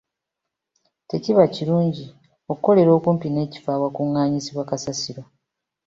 Tekiba kirungi okukolera okumpi n'ekifo awakungaanyizibwa kasasiro.